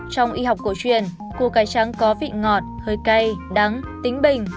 trong y học cổ truyền củ cải trắng có vị ngọt hơi cay đắng tính bình